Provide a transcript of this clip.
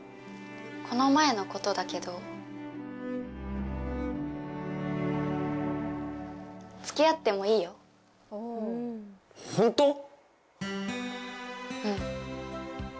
この前のことだけど付き合ってもいいよホント？